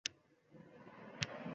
Faqat udir asrab qolgan Moskvani —